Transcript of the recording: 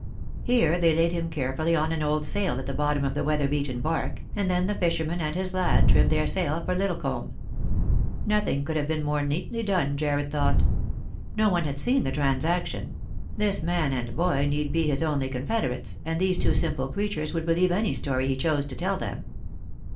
Here they laid him carefully on an old sail at the bottom of the weather beaten bark, and then the fisherman and his lad trimmed their sail for Liddlecomb. Nothing could have been more neatly done, Jar red thought. No one had seen the transaction ; this man and boy need be his only confederates, and these two simple crea tures would believe any story he chose to tell them.